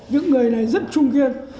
những người này rất trung kiên